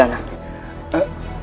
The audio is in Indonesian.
kami tidak salah dengarnya mas